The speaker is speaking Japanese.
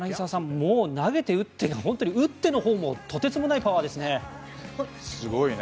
もう投げて、打って本当に打ってのほうもとてつもないパワーですね。